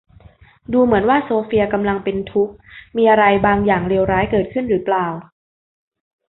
ดูเหมือนว่าโซเฟียกำลังเป็นทุกข์ มีอะไรบางอย่างเลวร้ายเกิดขึ้นหรือเปล่า ?